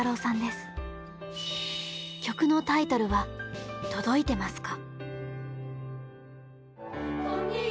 曲のタイトルは「とどいてますか」。